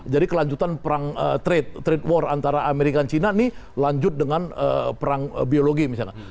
jadi kelanjutan perang trade trade war antara amerika dan cina ini lanjut dengan perang biologi misalnya